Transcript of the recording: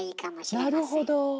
あなるほど。